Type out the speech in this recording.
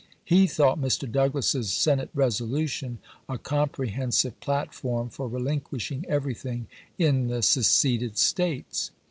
He thought Mr. Douglas's Senate resolution " a comprehensive platform for relinquishing everything in the seceded States."